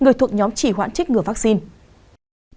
người thuộc nhóm chỉ hoãn trích ngừa vaccine